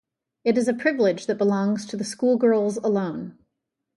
It is a privilege that belongs to the schoolgirls alone.